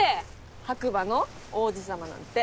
白馬の王子さまなんて。